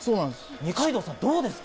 二階堂さん、どうですか？